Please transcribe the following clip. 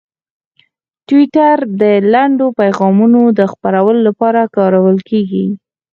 ټویټر د لنډو پیغامونو د خپرولو لپاره کارول کېږي.